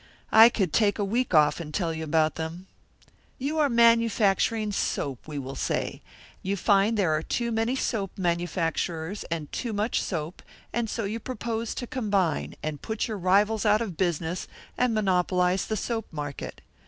I could take a week off and tell you about them. You are manufacturing soap, we will say. You find there are too many soap manufacturers and too much soap, and so you propose to combine, and put your rivals out of business, and monopolise the soap market.